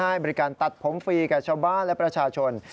ให้บริการตัดผมฟรีแก่ชาวบ้านและประชาชน